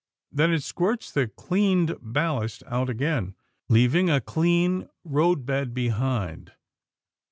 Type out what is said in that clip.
Then it squirts the cleaned ballast out again, leaving a clean roadbed behind.